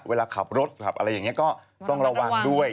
เวลาขับรถขับอะไรอย่างนี้ก็ต้องระวังด้วย